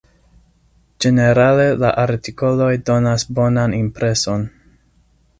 Ĝenerale la artikoloj donas bonan impreson.